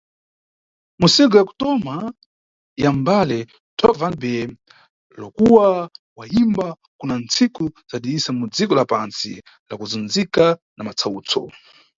Mu single ya kutoma ya mbale, "Tout va bien", Lokua wayimba kuna ntsiku zadidisa, mu dziko la pantsi la kuzundzika na matsawutso.